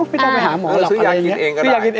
ไม่ต้องไปหาหมอหรอกอะไรอย่างนี้